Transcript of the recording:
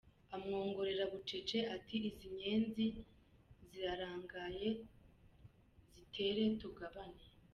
Amwongorera bucece, ati :” izi nyenzi zirarangaye zitere tugabane” !